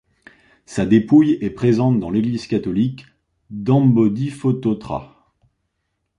Sa dépouille est présente dans l’église catholique d’Ambodifototra.